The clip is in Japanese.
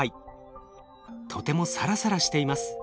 とてもサラサラしています。